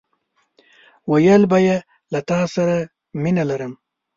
ويل به يې له تاسره مينه لرم!